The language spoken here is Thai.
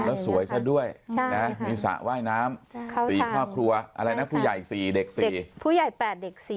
แล้วสวยซะด้วยมีสระว่ายน้ำสีครอบครัวอะไรนะผู้ใหญ่สี่เด็กสี่